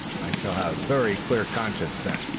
I sall have ver clear conscience then."